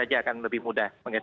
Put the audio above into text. tentu saja akan lebih mudah